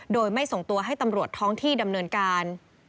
โดยไม่ส่งตัวให้ตำรวจท้องที่ดำเนินการ